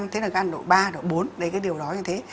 thế là gan độ ba độ bốn đấy cái điều đó như thế